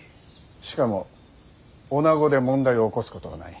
しかも女子で問題を起こすことはない。